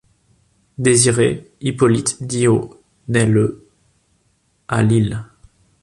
Désiré Hippolyte Dihau naît le à Lille.